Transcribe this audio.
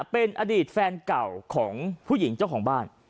เป็นอดีตแฟนเก่าของผู้หญิงเจ้าของบ้าน